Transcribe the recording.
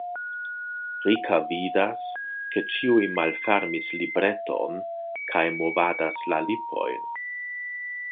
Rika vidas, ke ĉiuj malfermis libreton kaj movadas la lipojn.